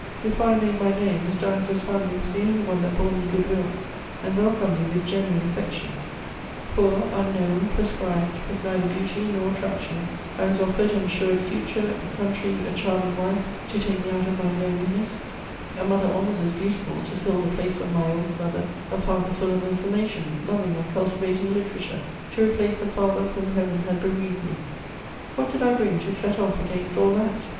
Before I made my name, Mr. Ives's family was the only one that bore me good will and welcomed me with genuine affection. Poor, unknown, proscribed, with neither beauty nor attraction, I was offered an assured future, a country, a charming wife to take me out of my loneliness, a mother almost as beautiful to fill the place of my old mother, a father full of information, loving and cultivating literature, to replace the father of whom Heaven had bereaved me: what did I bring to set off against all that?